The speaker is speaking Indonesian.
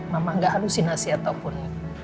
mama nggak halusinasi ataupun